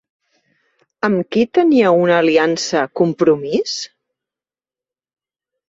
Amb qui tenia una aliança Compromís?